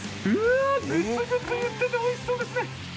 ぐつぐついってておいしそうですね。